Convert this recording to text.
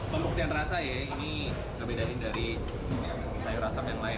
pembuktian rasa ya ini ngebedain dari sayur asap yang lain